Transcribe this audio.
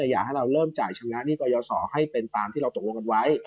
อยากให้เราเริ่มจ่ายชำระหนี้กรยาศรให้เป็นตามที่เราตกลงกันไว้